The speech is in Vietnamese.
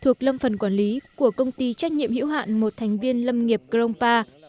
thuộc lâm phần quản lý của công ty trách nhiệm hữu hạn một thành viên lâm nghiệp grongpa